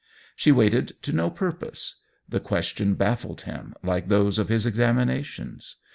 She waited to no purpose; the question baffled him, like those of his examinations.